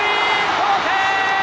同点！